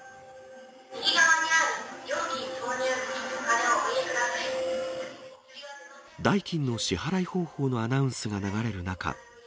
右側にある料金投入口にお金代金の支払い方法のアナウンスが流れる中。